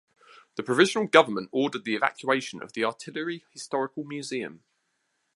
The Provisional Government ordered the evacuation of the Artillery Historical Museum.